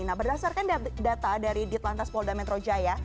nah berdasarkan data dari dit lantas polda metro jaya